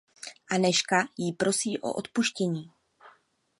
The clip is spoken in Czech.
Anežka ji prosí o odpuštění.